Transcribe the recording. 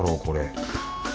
これ。